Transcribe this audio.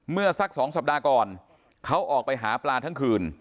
เมื่อสัก๒สัปดาห์ก่อนเขาออกไปหาปลาทั้งคืน